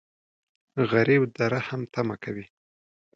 غریب د رحم تمه کوي